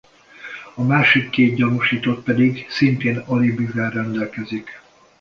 A másik két gyanúsított pedig szintén alibivel rendelkezik.